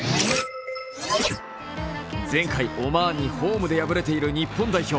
前回、オマーンにホームで敗れている日本代表。